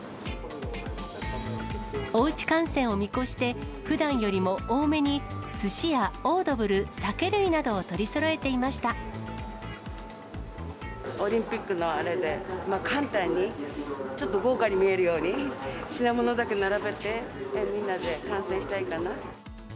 おうち観戦を見越して、ふだんよりも多めに、すしやオードブル、オリンピックのあれで、簡単に、ちょっと豪華に見えるように、品物だけ並べて、みんなで観戦したいかな。